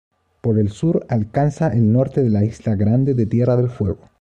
Por el sur alcanza el norte de la isla Grande de Tierra del Fuego.